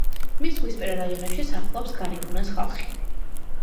მის ზღვისპირა რაიონებში სახლობს გარიფუნას ხალხი.